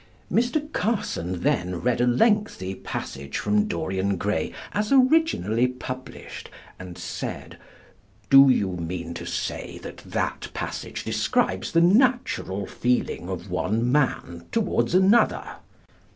Mr. Carson then read a lengthy passage from "Dorian Gray" as originally published, and said, "Do you mean to say that that passage describes the natural feeling of one man towards another?"